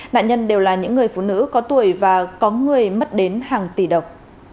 nạn nhân đều là những người phụ nữ có tuổi và có người mất đến hàng tỷ đồng